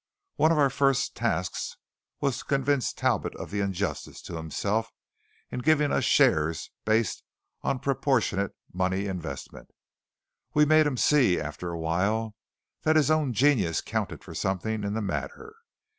One of our first tasks was to convince Talbot of the injustice to himself in giving us shares based on a proportionate money investment. We made him see, after a while, that his own genius counted for something in the matter.